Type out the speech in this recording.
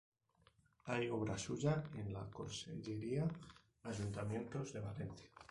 Hay obra suya en la Consellería Ayuntamientos de Valencia